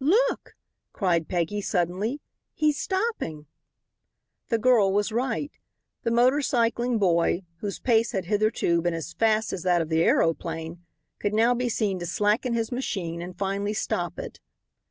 "Look," cried Peggy suddenly, "he's stopping." The girl was right. The motor cycling boy, whose pace had hitherto been as fast as that of the aeroplane, could now be seen to slacken his machine and finally stop it.